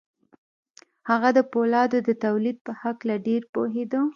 هغه د پولادو د تولید په هکله ډېر پوهېده